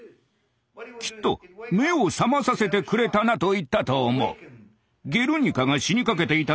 きっと「目を覚まさせてくれたな」と言ったと思う。